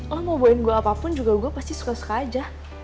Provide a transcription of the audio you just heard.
oh mau bawain gue apapun juga gue pasti suka suka aja